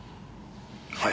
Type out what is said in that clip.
はい。